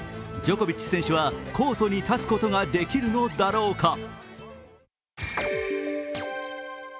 ジョコビッチ選手はコートに立つことができるのだろうか。